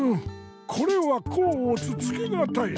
これはこうおつつけがたい。